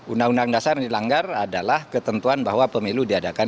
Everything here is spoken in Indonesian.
undang undang dasar yang dilanggar adalah ketentuan bahwa pemilu diadakan